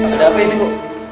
ada apa ini bu